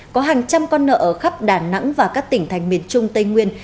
có hàng trăm con nợ ở khắp đà nẵng và các tỉnh thành miền trung tây nguyên